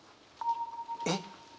えっ？